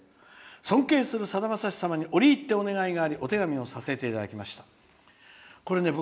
尊敬するさだまさしさんに折り入ってお願いがありお手紙をさせていただきました」。